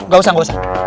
gak usah gak usah